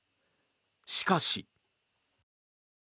しかし。